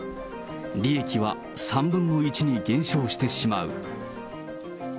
利益は３分の１に減少してしまう。